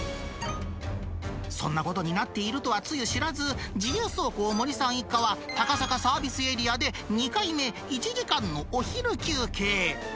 そんなことになっているとはつゆ知らず、自由走行、森さん一家は、高坂サービスエリアで、２回目、１時間のお昼休憩。